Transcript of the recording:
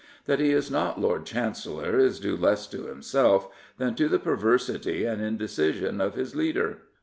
That he is not Lord Chancellor is due less to himself than to the perversity and indecision of his leader.